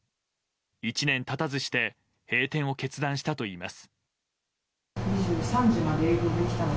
１年経たずして閉店を決断したといいます。